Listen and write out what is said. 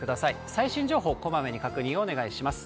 最新情報、こまめに確認をお願いします。